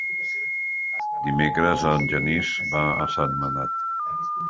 Dimecres en Genís va a Sentmenat.